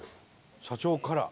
「社長から」